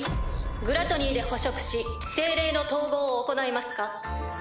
グラトニーで捕食し精霊の統合を行いますか？